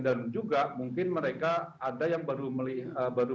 dan juga mungkin mereka ada yang baru membeli